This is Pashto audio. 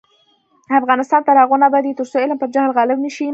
افغانستان تر هغو نه ابادیږي، ترڅو علم پر جهل غالب نشي.